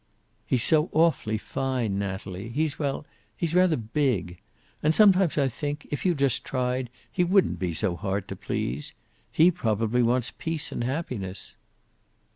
"He's so awfully fine, Natalie. He's well, he's rather big. And sometimes I think, if you just tried, he wouldn't be so hard to please. He probably wants peace and happiness?"